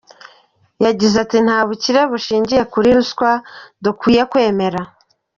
Yagize ati “Nta bukire bushingiye kuri ruswa dukwiriye kwemera.